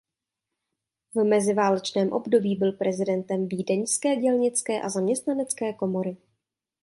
V meziválečném období byl prezidentem Vídeňské dělnické a zaměstnanecké komory.